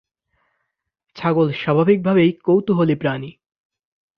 ছাগল স্বাভাবিকভাবেই কৌতূহলী প্রাণী।